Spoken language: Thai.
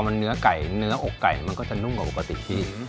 มันเนื้อไก่เนื้ออกไก่มันก็จะนุ่มกว่าปกติพี่